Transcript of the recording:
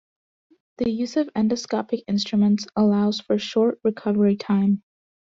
The use of endoscopic instruments allows for short recovery time.